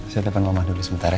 saya depan mama dulu sebentar ya